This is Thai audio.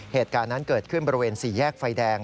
เหตุการณ์นั้นเกิดขึ้นบริเวณ๔แยกไฟแดง